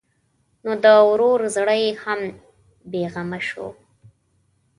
نو د ورور زړه یې هم بېغمه شو.